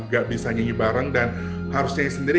gak bisa nyanyi bareng dan harus nyanyi sendiri